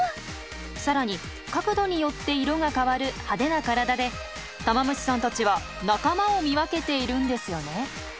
更に角度によって色が変わる派手な体でタマムシさんたちは仲間を見分けているんですよね？